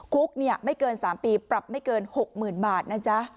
คุกไม่เกิน๓ปีปรับไม่เกิน๖๐๐๐บาทนะจ๊ะ